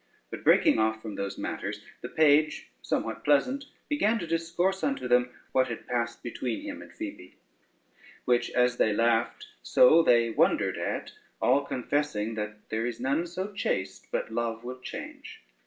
But, breaking off from those matters, the page, somewhat pleasant, began to discourse unto them what had passed between him and Phoebe; which, as they laughed, so they wondered at, all confessing that there is none so chaste but love will change.